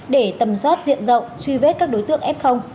để tầm soát diện rộng truy vết các đối tượng f